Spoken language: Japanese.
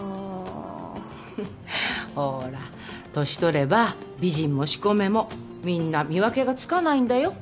フッほら年取れば美人もしこめもみんな見分けがつかないんだよ。